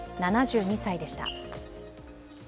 ７２歳でした。